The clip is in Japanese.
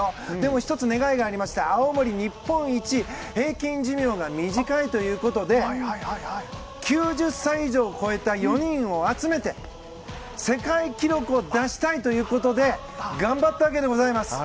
１つ、願いがありまして青森は日本一平均寿命が長いということで９０歳以上超えた４人を集めて世界記録を出したいと頑張ったわけでございます。